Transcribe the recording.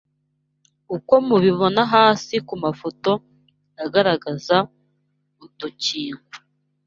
uko mubibona hasi ku mafoto agaragaza udukingo